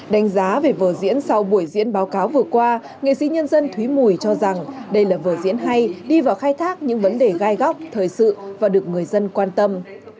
đánh giá về vở diễn sau buổi diễn báo cáo vừa qua nghệ sĩ nhân dân thúy mùi cho rằng đây là vở diễn hay đi vào khai thác những vấn đề gai góc thời sự và được người dân quan tâm